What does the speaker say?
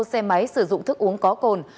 xe máy sử dụng thức uống có cồn